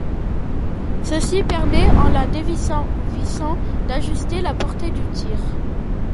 Ceci permet en la dévissant ou vissant d'ajuster la portée du tir.